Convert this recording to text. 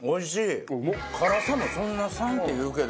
辛さもそんな３っていうけど。